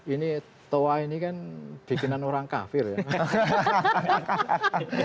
ini toa ini kan bikinan orang kafir ya